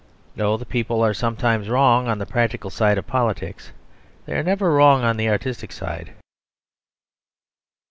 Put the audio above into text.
No; the people are sometimes wrong on the practical side of politics; they are never wrong on the artistic side.